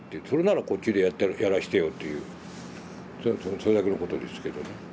それならこっちでやらしてよというそれだけのことですけどね。